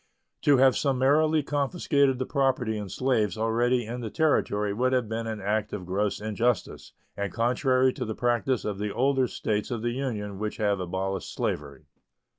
To have summarily confiscated the property in slaves already in the Territory would have been an act of gross injustice and contrary to the practice of the older States of the Union which have abolished slavery.